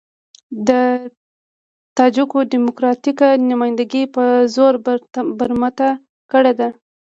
د تاجکو ډيموکراتيکه نمايندګي په زور برمته کړې ده.